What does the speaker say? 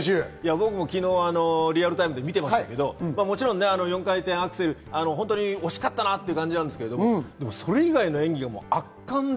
僕も昨日、リアルタイムで見てましたけど、もちろん４回転アクセル、本当に惜しかったなって感じですが、それ以外の演技が圧巻で。